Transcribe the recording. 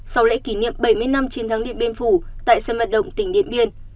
sau lễ kỷ niệm bảy mươi năm chiến thắng điện biên phủ tại sân vận động tỉnh điện biên